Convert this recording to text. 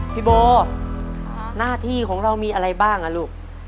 พี่โบหน้าที่ของเรามีอะไรบ้างอ่ะลูก